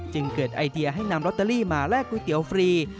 เกิดไอเดียให้นำลอตเตอรี่มาแลกก๋วยเตี๋ยวฟรี